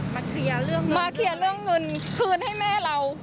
เคลียร์เรื่องนี้มาเคลียร์เรื่องเงินคืนให้แม่เรา